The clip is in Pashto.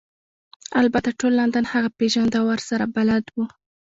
البته ټول لندن هغه پیژنده او ورسره بلد وو